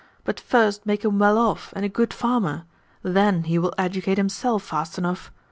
But first make him well off and a good farmer. THEN he will educate himself fast enough.